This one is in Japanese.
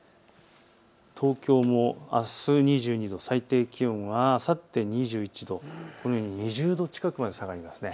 東京もあす２２度、あさって２１度、最低気温このように２０度近くまで下がります。